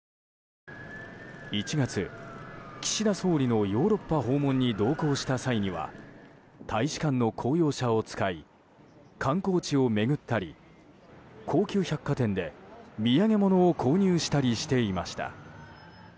１月、岸田総理のヨーロッパ訪問に同行した際には大使館の公用車を使い観光地を巡ったり高級百貨店で、土産物を購入したりしていました。